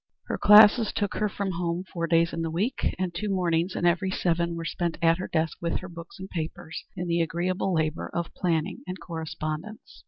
Her classes took her from home four days in the week, and two mornings in every seven were spent at her desk with her books and papers, in the agreeable labor of planning and correspondence.